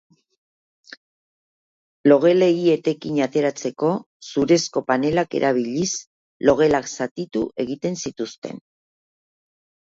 Logelei etekina ateratzeko, zurezko panelak erabiliz, logelak zatitu egiten zituzten.